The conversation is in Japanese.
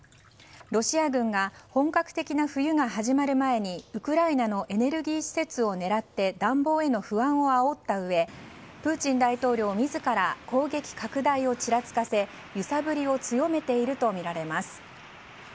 ロシア軍が本格的な冬が始まる前にウクライナのエネルギー施設を狙って暖房への不安をあおったうえプーチン大統領自ら攻撃拡大をちらつかせ揺さぶりを強めているとみられます。